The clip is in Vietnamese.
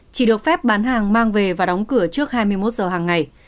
chỉ được phép bán hàng mang về và đóng cửa trước hai mươi một giờ hàng ngày